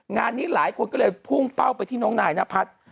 งานนี้หลายคนก็เลยพุ่งเป้าไปที่น้องนายนพัฒน์